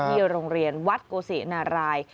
ที่โรงเรียนวัดโกษิตนราย